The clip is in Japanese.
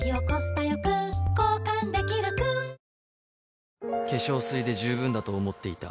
よかった化粧水で十分だと思っていた